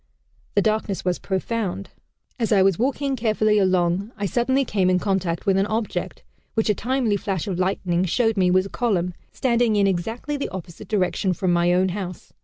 The darkness was profound. As I was walking carefully along, I suddenly came in contact with an object, which a timely flash of lightning showed me was a column, standing in exactly the opposite direction from my own house.